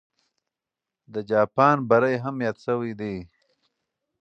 د جاپان بری هم یاد سوی دی.